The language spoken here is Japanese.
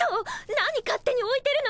何勝手においてるのよ！